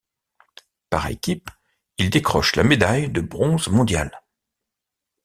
Par équipes, il décroche la médaille de bronze mondiale.